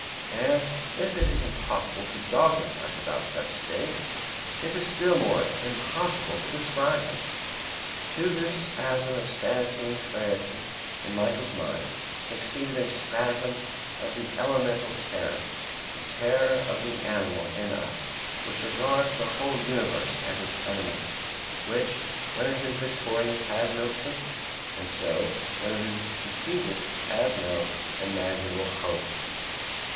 And if it is impossible to dogmatize about such states, it is still more impossible to describe them. To this spasm of sanity and clarity in Michael's mind succeeded a spasm of the elemental terror; the terror of the animal in us which regards the whole universe as its enemy; which, when it is victorious, has no pity, and so, when it is defeated has no imaginable hope.